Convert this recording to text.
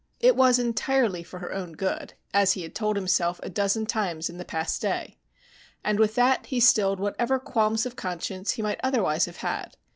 It was entirely for her own good, as he had told himself a dozen times in the past day. And with that he stilled whatever qualms of conscience he might otherwise have had.